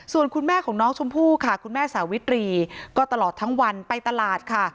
ส่วนคุณแม่ของน้องชมพู่ค่ะคุณแม่สาวิตรีก็ตลอดทั้งวันไปตลาดค่ะ